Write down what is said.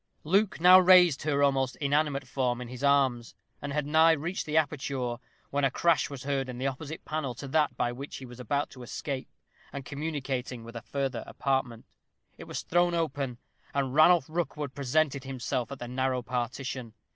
Luke now raised her almost inanimate form in his arms, and had nigh reached the aperture, when a crash was heard in the panel opposite to that by which he was about to escape, and communicating with a further apartment. It was thrown open, and Ranulph Rookwood presented himself at the narrow partition.